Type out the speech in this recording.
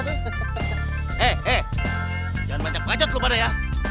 hei jangan banyak banyak pada ya